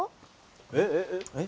えっ？